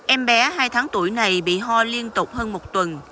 em bé hai tháng tuổi này bị ho liên tục hơn một tuần